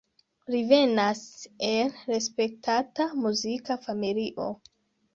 Li venas el respektata muzika familio.